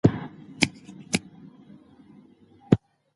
ژوند د انسان د همت مطابق بدلېږي.